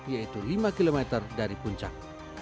yaitu lima km dari puncak